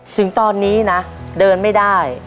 ถึงตอนนี้นะเดินไม่ได้